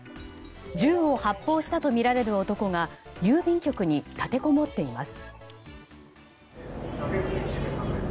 銃を発砲したとみられる男が郵便局に立てこもっています。